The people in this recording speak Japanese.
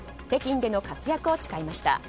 北京での活躍を誓いました。